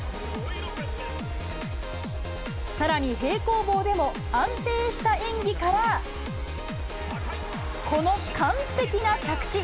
さらに平行棒でも、安定した演技から、この完璧な着地。